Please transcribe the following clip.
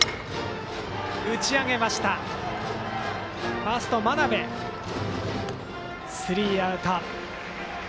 ファーストの真鍋つかんでスリーアウト。